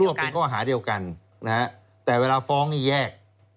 เป็นข้อหาเดียวกันนะฮะแต่เวลาฟ้องนี่แยก